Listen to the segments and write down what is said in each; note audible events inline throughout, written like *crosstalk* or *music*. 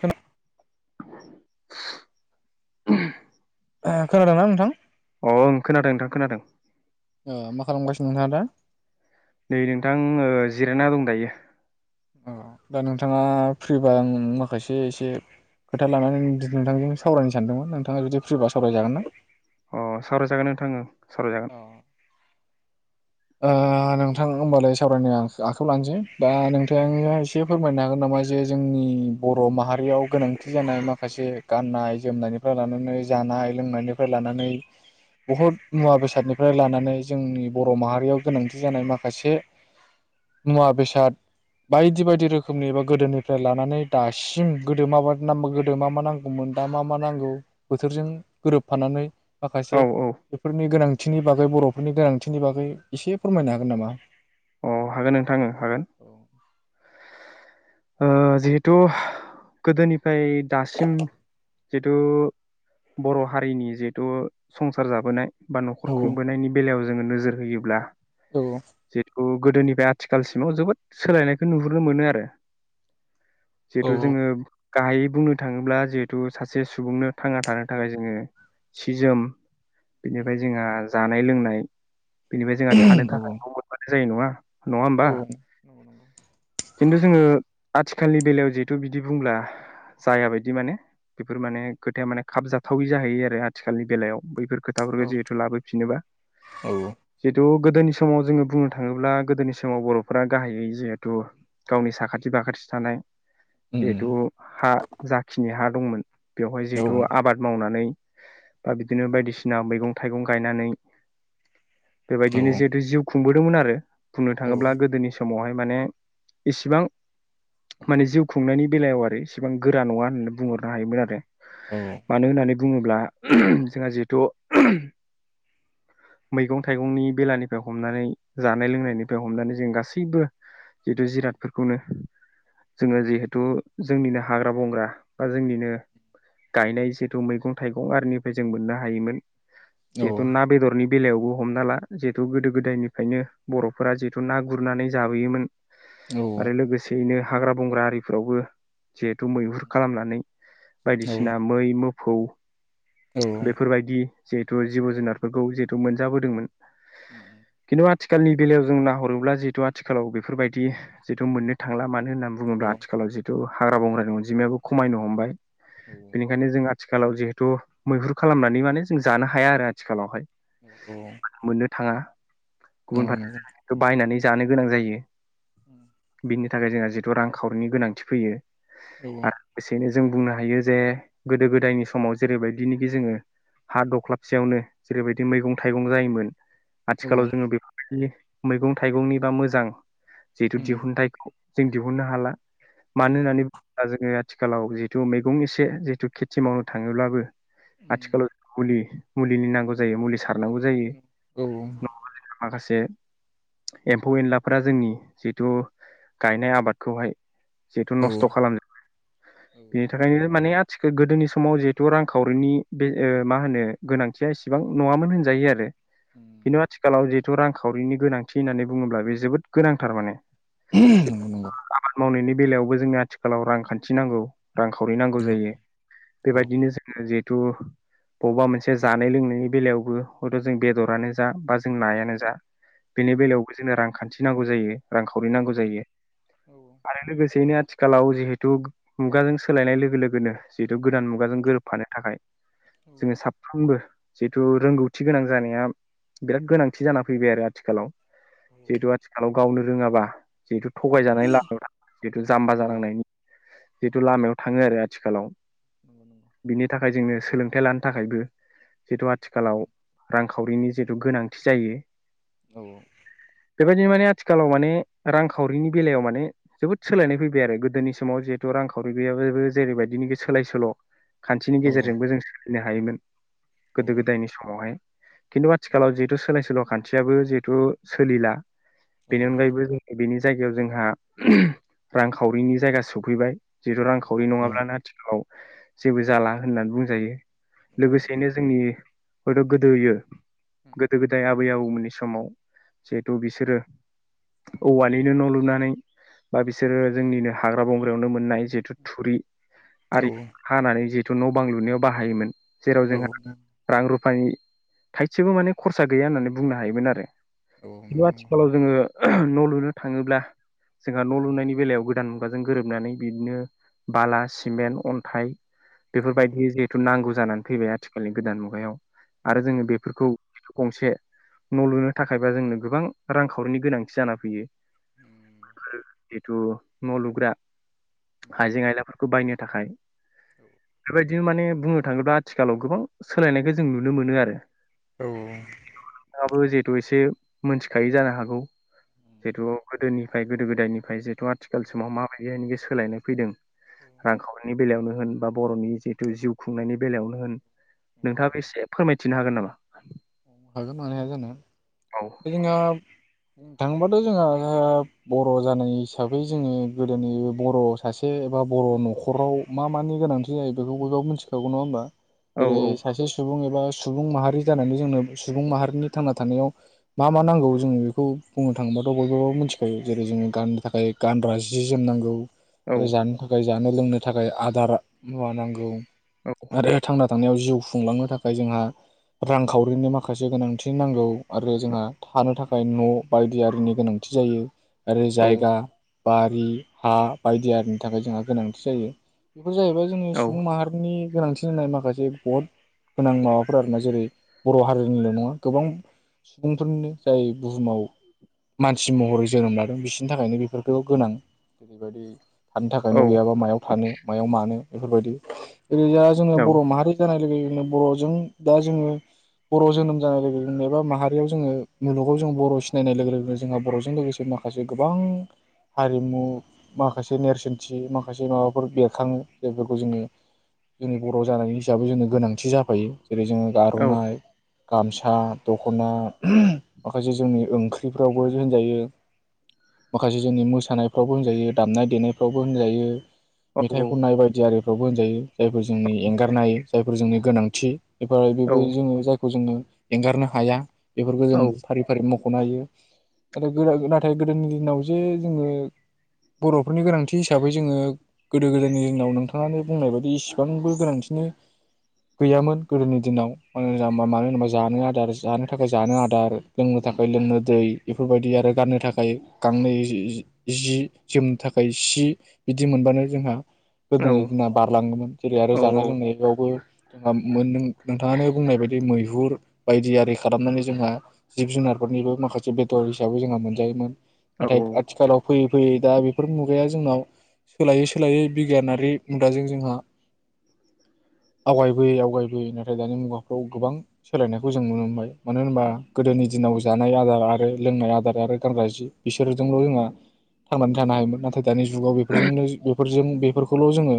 खोना *inaudible* उह ओ खोनादोंना नोंथां? अ खोनादों नोंथां खोनादों। ओ मा खालामगासिनो नोंथाङा दा? नै नोंथां ओ जिरायना दं दायो। औ दा नोंथाङा फ्रिबा आं माखासे एसे खोथा लानानै नोंथांजों सावरायनो सानदोंमोन नोंथाङा जुदि फ्रिबा सावरायजागोन ना? अ सावरायजागोन नोंथां ओ सावरायजागोन। ओ नोंथां होनोमबालाय सावरायनो आखाइायाव लानोसै दा नोंथां एसे फोरमायनो हागोन नामा जे जोंनि बर माहारियाव गोनांथि जानाय माखासे गाननाय जोमनायनिफ्राय लानानै जानाय लोंनायनिफ्राय लानानै बहुद मुवा बेसादनिफ्राय लानानै जोंनि बर' माहारि गोनांथि जानाय माखासे मुवा बेसाद बायदि बायदि रोखोमनि एबा गोदोनिफ्राय लानानै दासिम गोदो माब न गोदो मा मा नांगौमोन दा मा मा नांगौ बोथोरजों गोरोबफानानै माखासे औ औ बेफोरनि गोनां खाथिनि बागै बरफोरनि गोनांथिनि बागै एसे फोरमायनो हागोन नामा? औ हागोन नोंथांनो हागोन ओ जिहेथु गोदोनिफ्राय दासिम जिहेथु बरहारिनि जिहेतु संसार जाबोनाय बा औ नखर खुंबोनायनि बेलायाव ज जोङो नोजोर होयोब्ला औ ओ गोदोनिफ्राय आथिखालसिमाव जोबोद सोलायनायखौ नुहुरनो मोनो आरो औ जिहेथु जोङो गाहायै बुंनो थाङोब्ला जिहेथु सासे सुबुंनो थांना थानो थाखाय जोङो सि जोम बेनिफ्राय जोंहा जानाय लोंनाय बेनिफ्राय जोंहा थानो थाखाय न मोनबानो जायो नङा नङा औ होमबा? नंगौ नंगौ खिन्थु जोङो आथिखालनि बेलायाव जिहेथु बिदि बुंब्ला जायाबायदि माने बेफोर माने खोथाया माने खाबजाथावै जाहैयो आरो आथिखालनि बेलायाव बैफोर औ खोथाफोरखौ जिहेथु लाबोफिनोबा थ गोदोनि समाव जोङो बुंनो थाङोब्ला गोदोनि समाव बरफोरा गाहायै जिहेथु गावनि साखाथि फाखाथि थानाय उम जिहेथु हा जाखिनि हा दंमोन बेवहाय औ जिहेथु आबाद मावनानै बा बिदिनो बायदिसिना मैगं थाइगं गायनानै औ बेबायदिनो जिहेथु जिउ खुंबोदोंमोन आरो बुंनो औ थाङोब्ला गोदोनि स समावहाय माने इसेबां औ माने जिउ खुंनायनि बेलायाव आरो इसेबां गोरा नङा होननानै बुंहरनो हायोमोन आरो नंगौ मानो होनानै बुङोब्ला उह जोंहा जिहेथु उह मैगं थाइगंनि बेलानिफ्राय हमनानै जानाय लोंनायनिफ्राय हमनानै जों गासैबो जिहेथु जिरादफोरखौनो जोङो जिहेथु जोंनिनो हाग्रा बंग्रा बा जोंनिनो गायनाय जिहेथु मैगं थाइगं आरनिफ्राय जों मोननो हायोमोन। नंगौ जेथु ना बे दरनिबिलायावबो हमना ला जिहेथु गोदो गोदायनिफ्रायनो बर'फोरा जिहेथु ना गुरनानै जाबोयोमोन। आरो लोगोसेनो हाग्रा बंग्रा आरिफोरावबो जिहेथु मैहुर खालामनानै बायदिसिना मै *unintelligible* फौ बेफोरबायदि जिहेथु जिब जुनारफोरखौ जिहेथु मोनजाबोदोंमोन खिन्थु आथिखालनि बेलायाव जों नाहरोब्ला जिहेतु आथिखालाव बे फोरबायदि जिथु मोननो थांला मानो होननानै बुङोब्ला आथिखालाव जिहेतु हाग्रा बंग्रानि अनजिमायाबो खमायनो हमबाय बेनिखायनो जों आथिखालाव जिहेथु मैहुर खालामनानै माने जों जानो हाया आरो आथिखालावहाय। औ मोननो थाङा। गुबुन फारसे बायनानै जानो गोनां जायो। बिनि थाखाय जोंहा जिथु रांखावरिनि गोनांथि फैयो। *unintelligible* जों बुंनो हायो जे गोदो गोदायनि समाव जेरैबायदिनिखि जोङो हा दख्लाबसेयावनो जेरैबायदि मैगं थाइगं जायोमोन औ औ आथिखालाव जोङो बेफोरबायदि मैगं थाइगंनिबा मोजां जिहेथु उम दिहुनथाइ जों दिहुननो हाला औ मानो नंगौ होननानै *unintelligible* जोङो आथिखालाव जिथु मैगंनि एसे जिुथु खेथि मावनो थाङोब्लाबो आथिखालाव मुलि मुलिनि नांगौ जायो मुलि सारनांगौ जायो। नंगौ माखासे एम्फौ एनलाफोरा जोंनि जिथु गायनाय आबाद खौहाय जिहेथु नस्थ खालामा। बेनि थाखायनो माने आथिखाल गोदोनि समाव जिहेथु रांखावरिनि बे ओ मा होनो गोनांथिया इसेबां नङामोन होनजायो आरो। बेनो आथिखालाव रां खावरिनि गोनांथि होननानै बुङोब्ला बे जोबोद गोनांथार माने। आबाद मावनायनि बेलायावबो जोंनो आथिखालाव रांखान्थि नांगौ रांखावरि नांगौ नंगौ जायो औ बेबायदिनो जोङो जिहेथु बबेबा मोनसे जानाय लोंनायनि बेलायावबो हयथ जों बेदरानो जा बा जों नायानो जा औ बेनि बेलायावबो जोङो रां खान्थि नांगौ जायो। रांखावरि नांगौ जायो औ आरो लोगोसेयैनो आथिखालाव जेहे थु मुगाजों सोलायनाय लोगो लोगोनो जिहेतु गोदान मुगाजों गोरोबफानो थाखाय औ जोङो औ साफ्रोमबो जितु रोंगौथि गोनां जानाया बिराद गोनांथि जाना फैबाय आरो आथिखालाव। जिहेथु आथिखालाव *unintelligible* गावनो रोङाबा। जिथु थगायजानायनि लामायाव जिथु जाम्बा औ जानांनायनि जिथु लामायाव थाङो आरो आथिखालाव नंगौ नंगौ बिनि थाखाय जोंनो। सोलोंथाइ लानो थाखायबो। जितु आथिखालाव रांखावरिनि जिथु गोनांथि जायो। औ औ। बेबायदिनो माने आथिखालाव माने रांखावरिनि बेलायाव माने जोबोद सोलायनाय फैबाय आरो गोदोनि- समाव जिथु रांखावरि गैयाबाबो जेरैबायदिनोखि सोलाय सोल' खान्थिनि औ गेजेरजोंबो जों सो नो हायोमोन। गोदो गोदायनि समावहाय खिनथु आथिखालाव जिथु सोलाय सोल' खान्थियाबो जिहेथु सोलिला बेनि अनगायैबो जों बेनि जायगायाव जोंहा रांखावरिनि जायगा सफैबाय जिथु रांखावरि नङाब्लानो आथिखालाव जेबो जाला होननानै बुंजायो लोगोसेनो जोंनि हयथ' गोदोयो गोदो गोदाय आबै आबौमोननि समाव जे थ' बिसोरो औवानिनो न'लुना नै दा बिसोरो जोंनिनो हाग्रा बंग्रायावनो मोननाय जिथु थुरि आरो खानानै जि न' बां लुनायाव बाहायोमोन जेराव जोंहा रां रुप फाइ थाइसेबो माने खरसा गैया होननानै बुंनो हायोमोन आरो। खिन्थु आथिखालाव जोङो न' लुनो थाङोब्ला जोंहा न' लुनायनि बेलायाव दान मुगाजों गोरोबनानै बिदिनो बाला सिमेन्ट अन्थाइ बेफोरबायदि जिहितु नांगौ जानानै फैबाय आथिखालनि गोदान मुगायाव आरो जोङो बेफोरखौ गंसे न' लुनो थाखायबा जोंनो गोबां रांखावरिनि गोनांथि जाना फैयो जिहेथु न' लुग्रा आयजें आयला खौ बायनो थाखाय बेबायदिनो माने बुंनो थाङोब्ला आथिखालाव गोबां सोलायनायखौ जों नुनो मोनो आरो। बिखौ नोंथाङाबो जे द' एसे मोन्थिखायै जानो हागौ। जिहेतु गोदोनिफ्राय गोदो गोदायनिफ्राय जु आथिखाल समाव माबायदि एंगेज सोलायनाय फैदों रांखावरिनि बेलायावनो होन बा बर'नि जिहेथु जिउ खुंनायनि बेलायावनो होन। नोंथाङाबो एसे फोरमायथिनो हागोन नामा? हागोन मानो हाया जानो औ *inaudible* थाङोबाथ' जोंहा बर' जानाय हिसाबै जोङो गोदोनि बर' सासे एबा बर' न'खराव मा मानि गोनांथि जायो बेखौ बयबाब मिथिखागौ नङा होमबा। औ जेरै सासे सुबुं एबा सुबुं माहारि जानानै जोंनो सुबुं माहारिनि थांना थानायाव मा मा नांगौ जोङो बेखौ बुंनो थाङोबाथ' बयबबाबो मिथिखायो जेरै जोङो गाननो थाखाय गान्रा जि जोमनांगौ औ आरो जानो थाखाय जानो लोंनो थाखाय आदार मुवा नांगौ आरो थांना थांनायाव जिउ खुंलांनो थाखाय जोंहा रांखावरिनि माखासे गोनांथि नांगौ आरो जोंहा थानो थाखाय न' बायदियारिनि गोनांथि जायो। आरो जायगा बारि हा बायदिआरिनि थाखाय जोंहा गोनांथि जायो। बेफोर जाहैबाय जोंनि औ सुबुं माहारिनि गोनांथि होनाय माखासे बे बहुद गोनां माबाफोर आरोना जेरै बर' हारिनिल' नङा गोबां सुबुंफोरनो जाय बुहुमाव मानसि महरै जोनोम लादों बिसिनि थाखायनो बेफोरखौ गोनां जेरैबायदि थानो थाखाय औ न' गैयाबा मायाव थानो मायाव मानो बेफोरबायदि। बेैजा जोंनि औ बर' माहारि लोगो लोगोनो बर'जों दा जोङो बर, जोनोम जानाय लोगो लोगोनो एबा माहारियाव जोङो मुलुगाव जों बर' सिनाय लोगो लोगोनो जोंहा बर'जों लोगोसे माखासे गोबां हारिमु माखासे नेरसोनथि माखासे माबाफोर बेरखाङो जायफोरखौ जोङो जोंनि बर' जानायनि हिसाबै जोंनो गोनांथि जाफायो। जेरै जोङो गार'नाय गामसा, दख'ना माखासे जोंनि ओंख्रिफ्रावबो होनजायो। माखासे जोंनि मोसानायफ्रावबो होनजायो दामनाय देनायफ्रावबो होनजायो। मेथाइ खननाय बायदि आरो। फोरावबो होनजायो, जायफोर जोंनि एंगारनो हायै। जायफोर जोंनि गोनांथि। एफार औ बेबो जोङो जा खौ जोङो एंगारनो हाया। बेफोरखौ जों औ फारि फारि मख खनो हायो नाथाय गोरा नाथाय गोदोनि दिनाव जे जोङो, बर'फोरनि गोनांथि हिसाबै जोङो गोदो गोदायनि दिनाव नोंथाङानो बुंनाय बायदि इसिबांबो गोनांथिनो गैयामोन गोदोनि दिनाव मो जा मानो होनोबा जानो आदार, जानो थाखाय जानो आदार, लोंनो थाखाय लोंनो दै, बेफोरबायदि आरो गाननो थाखाय गांनै जि, जि जोमनो थाखाय सि, बिदि मोनबानो जोंहा औ गोदोनि दिना बारलाङोमोन जेरै आरो औ जानाय लोंनाय फोर आम ओम नोंथाङानो बुंनाय बायदि मैहुर, बायदि आरि खालामनानै जोंहा जिब जुनारफोरनिबो माखासे बेदर हिसाबै जोंहा मोनजायोमोन। औ नाथाय आथिखालाव फै फैयो दा बेफोर मुगाया जोंनाव, सोलायै सोलायै बिगियानारि मुगाजों जोंहा। आवगायबोयै आवगायबोयै नाथाय दानि मुगाफ्राव गोबां सोलायनायखौ जों नुनो मोनबाय। मानो होनबा? गोदोनि। दिनाव जानाय आदार आरो लोंनाय आदार आरो गानग्रा जि बिसोरजोंल' जोंहा थांनानै थानो हायोमोन। नाथाय दानि जुगाव बेफोरजोंनो बेफोरजों बेफोरखौल' जोङो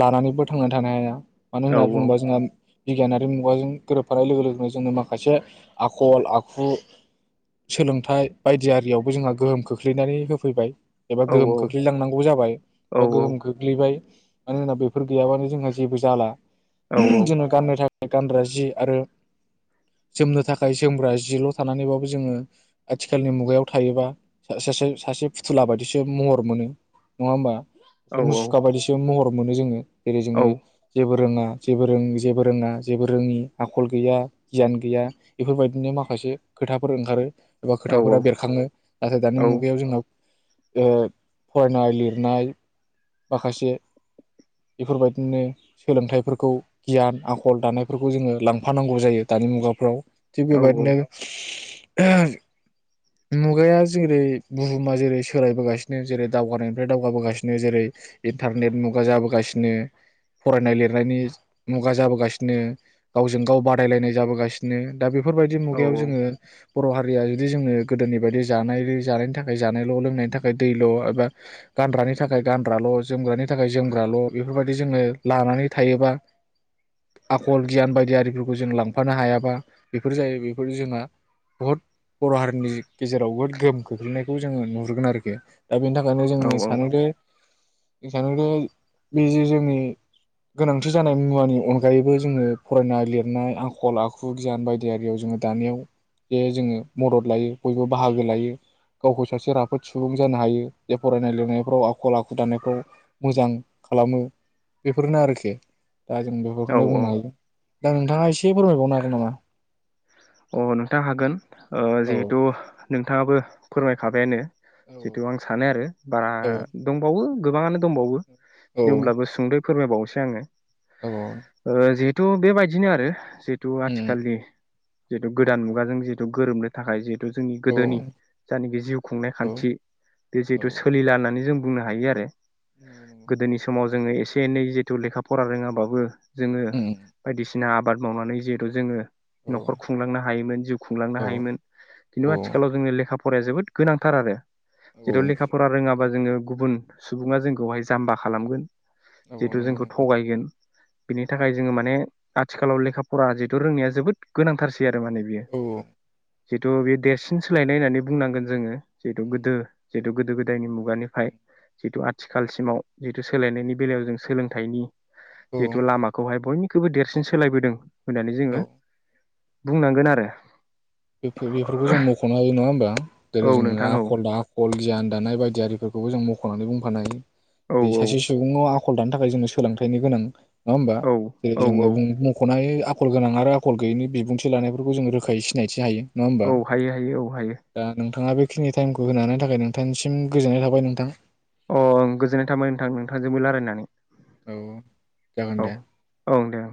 लानानैबो थांना थानो हा मानो औ होनना बुङोबा? जोंहा बिगियानारि मुगाजों गोरोबफानाय लोगो लोगोनो जोंनो माखासे, आखल आखु सोलोंथाइ बायदि आरियावबो जोंहा गोहोम खोख्लैनानै होफैबाय। एबा औ गोहोम खोख्लैलांनांगौ जाबाय, औ एबा गोहोम खोख्लैबाय। मानोना बेफोर गैयाबानो जोंहा जेबो जा जाला औ जेन' गाननो था गानग्रा जि आरो जोमनो थाखाय जोमग्रा जिल' थानानैबाबो जोङो आथिखालनि मुगायाव थायोबा सासे सासे फुथुला बायदिसो महर मोनो। नङा होमबा? एसे औ मुसुखा बायदिसो महर मोनो जोङो जेरै जोङो। जेबो रोङा, जेबो रों जेबो रोङा, जेबो रोङि आखल गैया गियान गैया बेफोरबायदिनो माखासे खोथाफोर ओंखारो। एबा खोथाफोरा बेरखाङो, नाथाय दानि मुगायाव जोंहा ओ फरायनाय, लिरनाय माखासे बेफोरबायदिनो। सोलोंथाइफोरखौ गियान, आखल दानायफोरखौ जोङो लांफानांगौ जायो दानि मुगाफ्राव। थिग बेबादिनो मुगाया जेरै, बुहुमा जेरै सोलायबोगासिनो जेरै दावगानायनिफ्राय दावगाबोगासिनो जेरै इन्टारनेट मुगा जाबोगासिनो। फरायनाय लिरनायनि मुगा जाबोगासिनो, गावजों गाव बादायलायनाय जाबोगासिनो। दा बेफोरबायदि मुगायाव जोङो। बर' हारिया जुदि जोङो गोदोनि बायदि जानाय जानायनि थाखाय जानायल' लोंनायनि थाखाय दैल' एबा गानग्रानि थाखाय गानग्राल' जोमग्रानि थाखाय जोमग्राल' बेफोरबायदि जोङो लानानै थायोबा आखल गियान बायदि आरिफोरखौ जों लांफानो हायाबा बेफोर जायो बेफोर जोंहा बहुद बर' हारिनि गेजेराव बहुत गोहोम खोख्लैनायखौ जोङो नुहुरगोन आरोखि। दा बेनि थाखायनो जोंनि सानो जे *unintelligible* बे जे जोंनि गोनांथि जानाय मुवानि अनगायैबो जोङो फरायनाय लिरनाय आखल आखु गियान बायदि आरियाव जोङो दानायाव जे जोङो मदद लायो। बयबो बाहागो लायो गावखौ सासे राफोद सुबुं जानो हायो जे फरायनाय लिरनायफ्राव आखल आखु दानायफ्राव मोजां खालामो बेफोरनो आरोखि दा जों औ बेफोरखौनो बुंनो औ हायो। दा नोंथाङा एसे फोरमायबावनो हागोन नामा? अ नोंथां हागोन ओ औ जिहेथु नोंथाङाबो फोरमायखाबायानो औ जिहेतु आं सानो आरो बा दंबावो गोबाङानो दंबावो औ खिनथु होमब्लाबो सुंद'यै फोरमायबावनोसै एसे आङो। औ ओ जि थ' बेबायदिनो आरो जेहुथु उम आथिखालनि जेहेथु गोदान मुगाजों जिहुथु गोरोबनो थाखाय जि हुथु जोंनि औ गोदोनि जानाखि जिउ खुंनाय औ खान्थि बे औ जिहेथु सोलिला होननानै जों बुंनो हायो आरो। गोदोनि समाव जोङो एसे एनै जिहुथु लेखा फरा रोङाबाबो जोङो नंगौ बायदिसि ना आबाद मावनानै जिहेतु जोङो औ। न'खर खुंलांनो हायोमोन जिउ खुंलांनो हायोन औ खिन्थु औ आथिखालाव जों लेखा फराया जोबोद गोनांथार आरो औ जेहुथु लेखा फरा रोङाबा जोङो गुबुन सुबुङा जोंखौहाय जाम्बा खालामगोन औ जिहेथु नंगौ जोंखौ नंगौ थगायगोन बिनि थाखाय जोङो माने आथिखालाव लेखा फरा जिहेथु रोंनाया जोबोद गोनांथारसै बि आरो माने बियो। औ जिहेतु बेयो देरसिन सोलायनाय होननानै बुंनांगोन जोङो। जेहुथु गोदो जे गोदो गोदायनि खुगानिफाय जिथु आ आथिखालसिमाव जिहेतु सोलायनायनि बेलायाव जों सोलोंथाइनि औ जिहेथु लामाखौहाय बयनि खौबो देरसिन सोलायबोदों। होनानै औ जोङो बुंनांगोन आरो बे बेफोरखौ जों मख'नो हायो नङा होमबा जेरै औ जोङो नोंथां औ आखल दा आखल गियान दानाय बायदियफोरखौबो जों मख' मख'नानै बुंफानो हायो। औ दै औ सासे सुबुङ आखल दानो थाखाय जोनो सोलोंथाइनि गोनां। नङा होमबा औ जेरै औ जोङो औ मुंख'नाय आखल गोनां आरो आखल गोयैनि बिबुंथि लानायफोरखौ जों रोखायैनो सिना सिनायथि हायो औ हायो हायो औ हायो। दा नोंथाङा बेखिनि टाइमखौ होनानो थाखाय नोंथांसिम गोजोननाय थाबाय नोंथां। अ गोजोननाय थाबाय नोंथां नोंथांजोंबो रायलायनानै। औ जागोन औ दे। ओं दे ओं